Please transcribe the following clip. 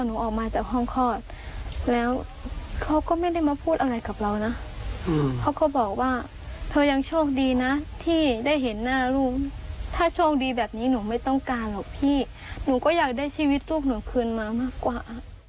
หนูก็อยากได้ชีวิตตัวหนูคืนมามากกว่า